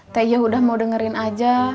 teh yaudah mau dengerin aja